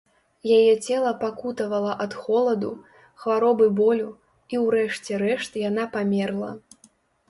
Яе цела пакутавала ад холаду, хвароб і болю, і ўрэшце рэшт яна памерла.